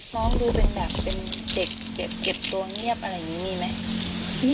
น้องดูเป็นเด็กเก็บตัวเนียบอะไรแบบนี้มีไหม